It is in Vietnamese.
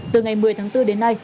từ ngày một mươi tháng bốn đến nay